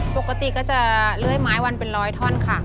ปกติก็จะเลื่อยไม้วันเป็นร้อยท่อนค่ะ